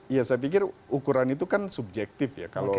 ya saya pikir ukuran itu kan subjektif ya